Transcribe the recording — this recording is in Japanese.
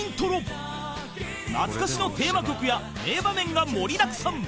［懐かしのテーマ曲や名場面が盛りだくさん］